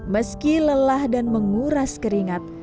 meski lelah dan menguras keringat